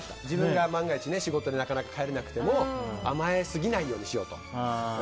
自分が万が一仕事でなかなか帰れなくても甘えすぎないようにしようと。